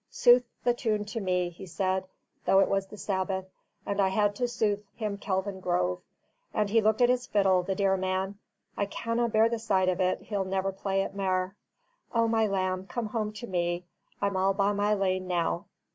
Sooth the tune to me, he said, though it was the Sabbath, and I had to sooth him Kelvin Grove, and he looked at his fiddle, the dear man. I cannae bear the sight of it, he'll never play it mair. O my lamb, come home to me, I'm all by my lane now."